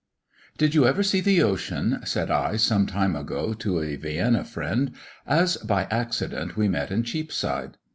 "Did you ever see the ocean?" said I, some time ago, to a Vienna friend, as by accident we met in Cheapside.